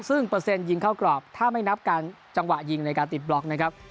ซึ่งเปอร์เซ็นต์ยิงเข้ากรอบถ้าไม่นับกันจังหวะยิงในการติดบล็อกนะครับ